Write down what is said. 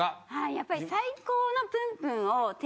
やっぱり。